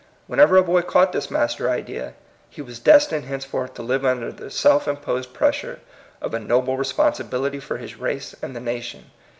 Whenever a boy caught this master idea, he was destined henceforth to live under the self imposed pressure of a noble responsi bility for his race and the nation.